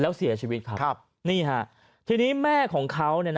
แล้วเสียชีวิตครับนี่ฮะทีนี้แม่ของเขา